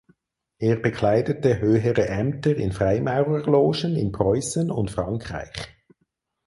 Er bekleidete höhere Ämter in Freimaurerlogen in Preußen und Frankreich.